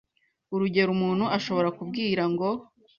Urugero umuntu ashobora kubwira ngo